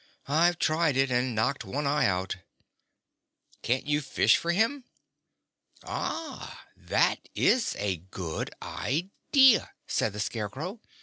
I've tried it, and knocked one eye out." "Can't you fish for him?" "Ah, that is a good idea," said the Scarecrow.